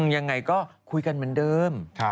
ยังไงก็คุยกันเหมือนเดิม